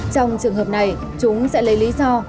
trong trường hợp này chúng sẽ lấy lý do